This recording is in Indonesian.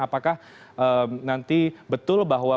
apakah nanti betul bahwa